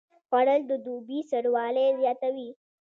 خوړل د دوبي سوړوالی زیاتوي